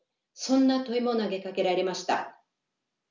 そんな問いも投げかけられました。